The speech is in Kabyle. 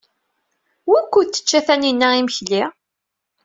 Wukud tečča Taninna imekli?